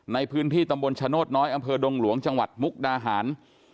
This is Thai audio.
ในพื้นที่ตำบลชโนธน้อยอำเภอดงหลวงจังหวัดมุกดาหาร